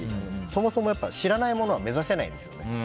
そもそも知らないものは目指せないんですよね。